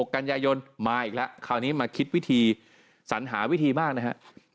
กันยายนมาอีกแล้วคราวนี้มาคิดวิธีสัญหาวิธีมากนะฮะ